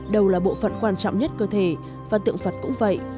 đâu là bộ phận quan trọng nhất cơ thể và tượng phật cũng vậy